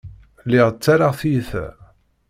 Lliɣ ttarraɣ tiyita.